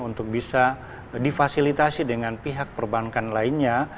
untuk bisa difasilitasi dengan pihak perbankan lainnya